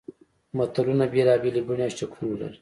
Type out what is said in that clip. متلونه بېلابېلې بڼې او شکلونه لري